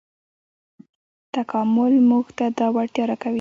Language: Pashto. تکامل موږ ته دا وړتیا راکوي.